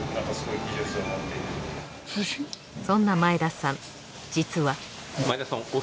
そんな前田さん